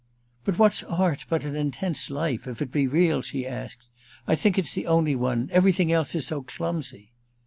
"But what's art but an intense life—if it be real?" she asked. "I think it's the only one—everything else is so clumsy!"